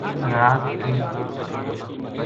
رات کِ